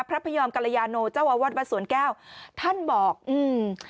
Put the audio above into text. พระพยอมกรยาโนเจ้าอาวาสวัดสวนแก้วท่านบอกอืม